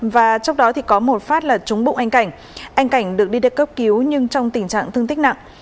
và trong đó thì có một phát là trúng bụng anh cảnh anh cảnh được đi được cấp cứu nhưng trong tình trạng thương tích nặng